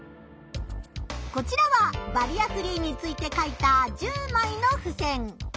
こちらはバリアフリーについて書いた１０枚のふせん。